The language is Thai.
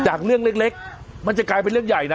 เรื่องเล็กมันจะกลายเป็นเรื่องใหญ่นะ